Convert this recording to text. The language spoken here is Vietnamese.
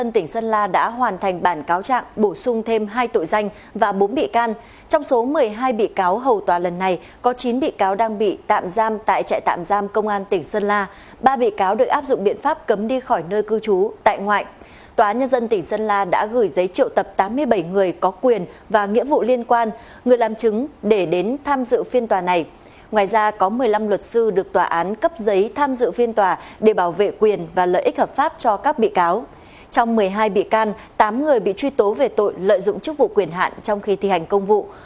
trong một mươi hai bị can tám người bị truy tố về tội lợi dụng chức vụ quyền hạn trong khi thi hành công vụ